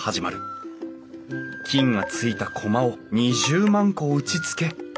菌がついたコマを２０万個打ちつけ